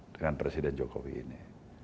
dengan presiden jokowi ini